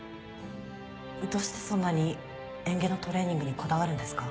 どうしてそんなに嚥下のトレーニングにこだわるんですか？